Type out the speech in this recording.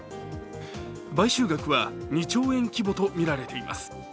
買収額は２兆円規模とみられています。